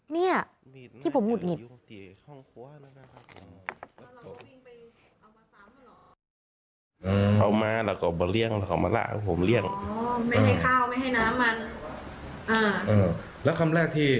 นี่ที่ผมมุดหงิด